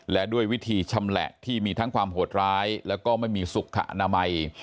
และด้วยวิธีชำแหละที่มีทั้งความโหดร้ายแล้วก็ไม่มีสุขอนามัย